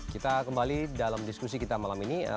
kita kembali dalam diskusi kita malam ini